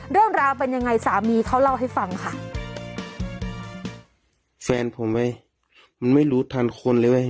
เรื่องราวเป็นยังไงสามีเขาเล่าให้ฟังค่ะแฟนผมเว้ยมันไม่รู้ทันคนเลยเว้ย